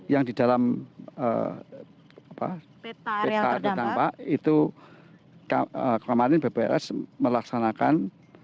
yang di dalam peta areal terdampak itu kemarin bpls melaksanakan